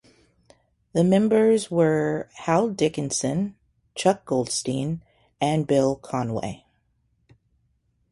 The members were Hal Dickinson, Chuck Goldstein, and Bill Conway.